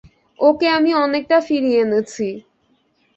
ওকে আমি অনেকটা ফিরিয়ে এনেছি।